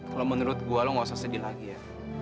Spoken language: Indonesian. kalau menurut gue lo gak usah sedih lagi ya